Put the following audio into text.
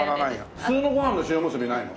普通のご飯の塩むすびないの？